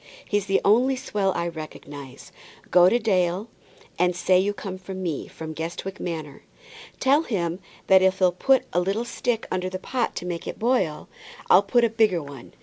He's the only swell I recognize. Go to old Dale, and say you come from me, from Guestwick Manor. Tell him that if he'll put a little stick under the pot to make it boil, I'll put a bigger one.